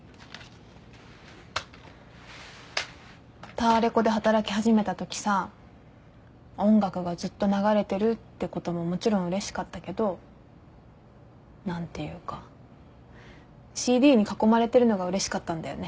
タワレコで働き始めたときさ音楽がずっと流れてるってことももちろんうれしかったけど何ていうかＣＤに囲まれてるのがうれしかったんだよね。